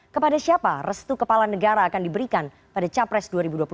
kepada siapa restu kepala negara akan diberikan pada capres dua ribu dua puluh empat